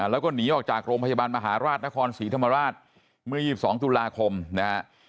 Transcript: แล้วก็หนีออกจากโรงพยาบาลมหาราชนครศรีธรรมราชเมื่อ๒๒ตุลาคมนะฮะ